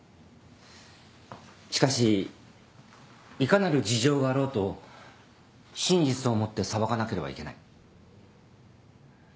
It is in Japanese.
しかしいかなる事情があろうと真実を持って裁かなければいけない。